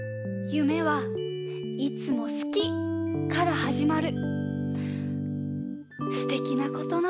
「夢はいつも好きから始まる」？